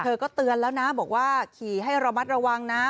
เธอก็เตือนแล้วนะบอกว่าขี่ให้ระมัดระวังนะ